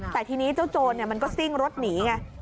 แต่ทีนี้เจ้าโจรมันก็ซิ่งรถหนีไง